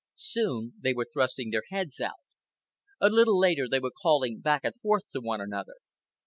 Soon they were thrusting their heads out. A little later they were calling back and forth to one another.